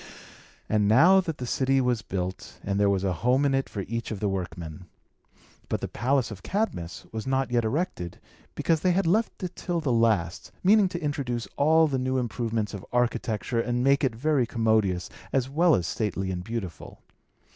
And now the city was built, and there was a home in it for each of the workmen. But the palace of Cadmus was not yet erected, because they had left it till the last, meaning to introduce all the new improvements of architecture, and make it very commodious, as well as stately and beautiful.